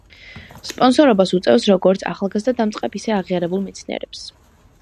სპონსორობას უწევს როგორც ახალგაზრდა დამწყებ ისე აღიარებულ მეცნიერებს.